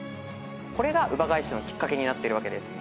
これが姥ヶ石のきっかけになっているわけです。